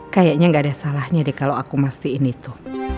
kayaknya nggak ada salahnya deh kalo aku mastiin itu